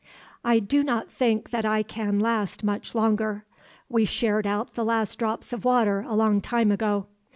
"I do not think that I can last much longer. We shared out the last drops of water a long time ago.